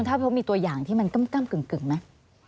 คุณถุภพมีตัวอย่างที่มันก้ำกึ่งมั้ย